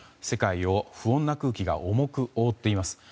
世界を不穏な空気が重く覆っています。